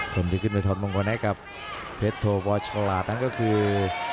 กรรมที่ขึ้นในทอดมงค์วันนี้ครับเพชโธปฉลาดนั่นก็คือ